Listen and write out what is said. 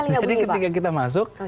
jadi ketika kita masuk